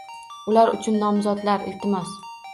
Ular uchun nomzodlar? Iltimos